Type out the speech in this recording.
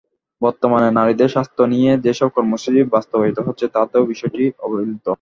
বর্তমানে নারীদের স্বাস্থ্য নিয়ে যেসব কর্মসূচি বাস্তবায়িত হচ্ছে, তাতেও বিষয়টি অবহেলিত।